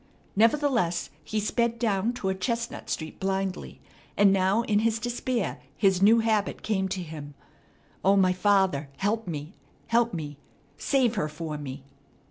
Nevertheless, he sped down toward Chestnut Street blindly, and now in his despair his new habit came to him. "O my Father, help me! Help me! Save her for me!"